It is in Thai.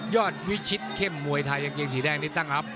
วิชิตเข้มมวยไทยกางเกงสีแดงนี่ตั้งอัพ